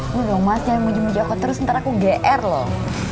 lu dong mas jangan muji muji aku terus ntar aku gr loh